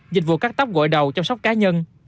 dịch vụ cắt tóc gội đầu chăm sóc cá nhân